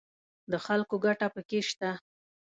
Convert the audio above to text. د خلکو ګټه پکې شته